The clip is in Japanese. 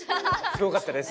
すごかったです。